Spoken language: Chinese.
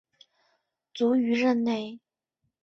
卒于任内。